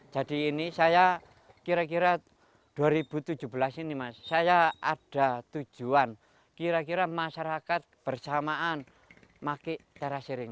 ini saya kira kira dua ribu tujuh belas ini mas saya ada tujuan kira kira masyarakat bersamaan pakai terasering